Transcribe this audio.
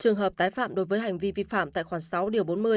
trường hợp tái phạm đối với hành vi vi phạm tại khoản sáu điều bốn mươi